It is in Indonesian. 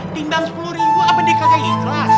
tinggal sepuluh ribu apa dia kagak ikhlas